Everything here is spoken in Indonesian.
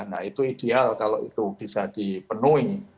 nah itu ideal kalau itu bisa dipenuhi